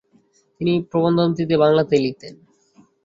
তিনি প্রবন্ধাদি বাংলাতেই লিখতেন।